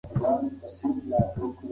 ایا شمال به بیا هم پاڼه ونڅوي؟